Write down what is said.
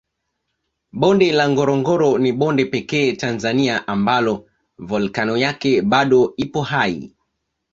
Bonde la Ngorongoro ni bonde pekee Tanzania ambalo volkano yake bado ipo hai